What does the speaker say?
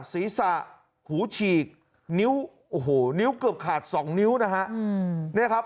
ศีรษะหูฉีกนิ้วเกือบขาด๒นิ้วนะครับ